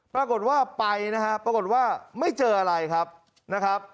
ปรากฏว่าไปนะฮะปรากฏว่าไม่เจออะไรครับนะครับ